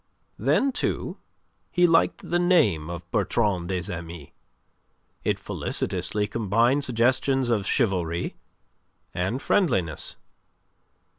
Then, too, he liked the name of Bertrand des Amis. It felicitously combined suggestions of chivalry and friendliness.